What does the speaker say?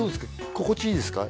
心地いいですか？